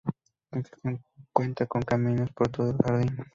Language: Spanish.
Cuenta con caminos por todo el jardín.